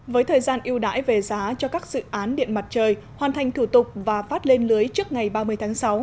với thời gian ưu đãi về giá cho các dự án điện mặt trời hoàn thành thủ tục và phát lên lưới trước ngày ba mươi tháng sáu